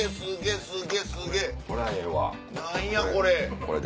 何やこれ。